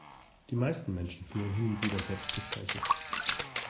Die meisten Menschen führen hin und wieder Selbstgespräche.